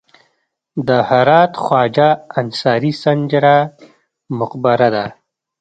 د هرات خواجه انصاري د سنجر مقبره ده